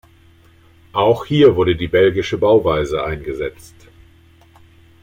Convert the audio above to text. Auch hier wurde die belgische Bauweise eingesetzt.